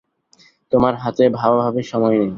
তোমার হাতে ভাবাভাবির সময় নেই।